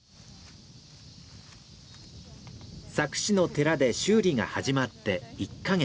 佐久市の寺で修理が始まって１カ月。